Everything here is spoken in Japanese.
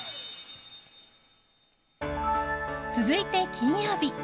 続いて、金曜日。